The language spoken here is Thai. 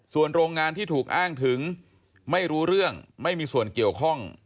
ส่วนโรงงานที่ถูกอ้างถึงไม่รู้เรื่องไม่มีส่วนเกี่ยวข้อง